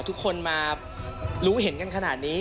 ทุกคนมารู้เห็นกันขนาดนี้